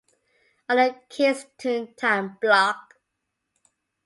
Under "Kidz Toon Time" block.